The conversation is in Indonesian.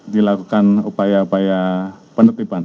dilakukan upaya upaya penertiban